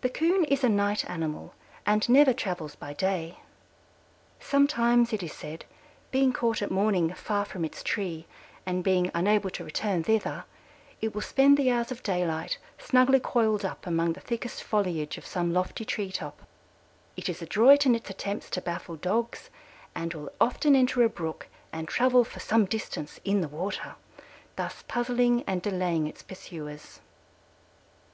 The Coon is a night animal and never travels by day; sometimes it is said, being caught at morning far from its tree and being unable to return thither, it will spend the hours of daylight snugly coiled up among the thickest foliage of some lofty tree top. It is adroit in its attempts to baffle Dogs, and will often enter a brook and travel for some distance in the water, thus puzzling and delaying its pursuers.